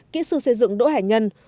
kỹ sư xây dựng đỗ hải nhân